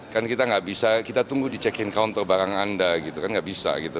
kan kita nggak bisa kita tunggu di check in counter barang anda nggak bisa